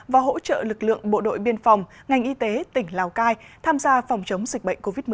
và hỗ trợ lực lượng bộ đội biên phòng ngành y tế tỉnh lào cai tham gia phòng chống dịch bệnh covid một mươi chín